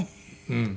うん。